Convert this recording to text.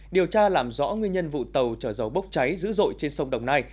điều tra làm rõ nguyên nhân vụ tàu chở dầu bốc cháy dữ dội trên sông đồng nai